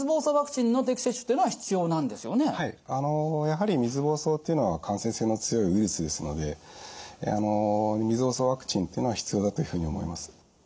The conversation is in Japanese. やはり水ぼうそうっていうのは感染性の強いウイルスですので水ぼうそうワクチンっていうのは必要だというふうに思います。